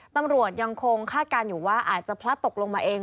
ตำรวจยังคงคาดการณ์อยู่ว่าอาจจะพลัดตกลงมาเอง